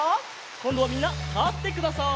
こんどはみんなたってください。